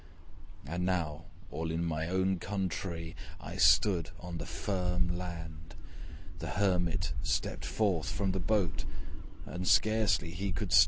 And now, all in my own countree, I stood on the firm land! The Hermit stepped forth from the boat, And scarcely he could stand.